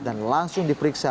dan langsung ditangkap